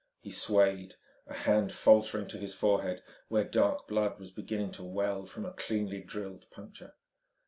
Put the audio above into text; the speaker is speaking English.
He swayed, a hand faltering to his forehead, where dark blood was beginning to well from a cleanly drilled puncture.